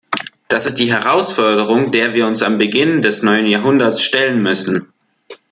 Das ist die Herausforderung, der wir uns am Beginn des neuen Jahrhunderts stellen müssen.